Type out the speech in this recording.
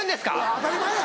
⁉当たり前や！